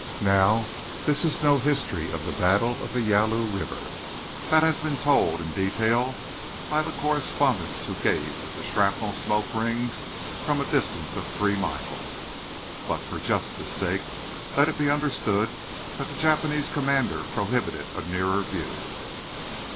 Now, this is no history of the battle of the Yalu River. That has been told in detail by the correspondents who gazed at the shrapnel smoke rings from a distance of three miles. But, for justice's sake, let it be understood that the Japanese commander prohibited a nearer view.